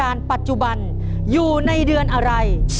ราชการปัจจุบันอยู่ในเดือนอะไร